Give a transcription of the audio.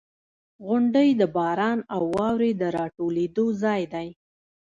• غونډۍ د باران او واورې د راټولېدو ځای دی.